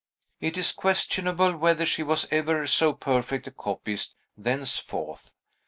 It is questionable whether she was ever so perfect a copyist thenceforth.